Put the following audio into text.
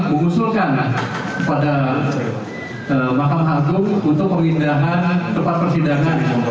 mengusulkan kepada mahkamah agung untuk pemindahan tempat persidangan